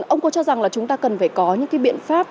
ông có cho rằng là chúng ta cần phải có những cái biện pháp